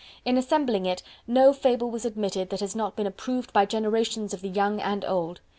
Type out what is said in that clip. In assembling it no Fable was admitted that has not been approved by generations of the young and old.